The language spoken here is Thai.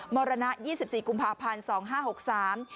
มรณะ๒๔กุมภาพันธ์สองห้าหกสาม